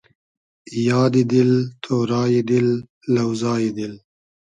یادی دېل، تۉرای دیل، لۆزای دیل